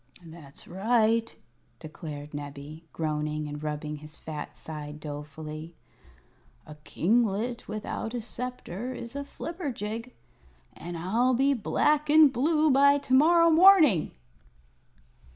"That's right," declared Nebbie, groaning and rubbing his fat side dolefully. "A kinglet without a sceptre is a flibberjig, and I'll be black and blue by to morrow morning!"